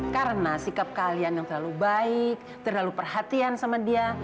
karena sikap kalian yang terlalu baik terlalu perhatian sama dia